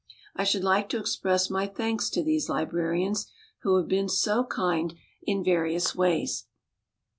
I should like to express my thanks to these librarians, who have been so kind in various RAINBOW GOLD ways.